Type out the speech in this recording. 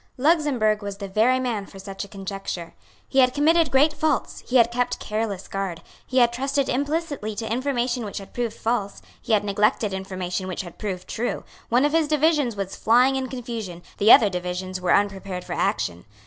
Luxemburg was the very man for such a conjuncture. He had committed great faults; he had kept careless guard; he had trusted implicitly to information which had proved false; he had neglected information which had proved true; one of his divisions was flying in confusion; the other divisions were unprepared for action.